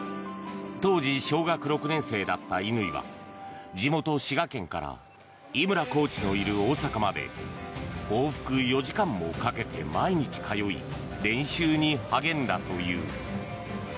当時小学６年生だった乾は地元・滋賀県から井村コーチのいる大阪まで往復４時間もかけて毎日通い練習に励んだという。